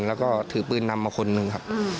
แล้วก็ถือปืนนำมาคนนึงครับ